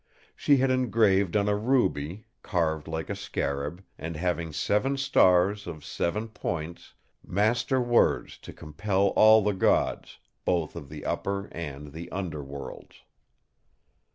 She had engraved on a ruby, carved like a scarab, and having seven stars of seven points, Master Words to compel all the Gods, both of the Upper and the Under Worlds.